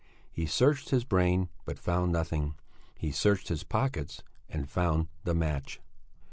He searched his brain, but found nothing. He searched his pockets and found the match.